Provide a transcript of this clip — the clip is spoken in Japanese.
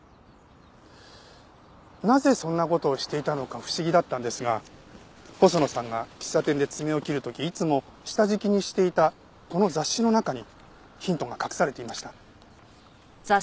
なぜそんな事をしていたのか不思議だったんですが細野さんが喫茶店で爪を切る時いつも下敷きにしていたこの雑誌の中にヒントが隠されていました。